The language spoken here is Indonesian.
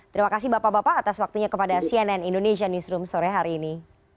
terima kasih bapak bapak atas waktunya kepada cnn indonesia newsroom sore hari ini